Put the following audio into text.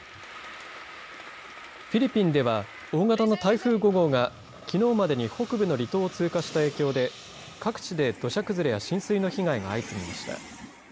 フィリピンでは大型の台風５号が、きのうまでに北部の離島を通過した影響で各地で土砂崩れや浸水の被害が相次ぎました。